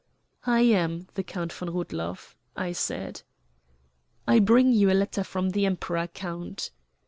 "I am the Count von Rudloff," I said. "I bring you a letter from the Emperor, count."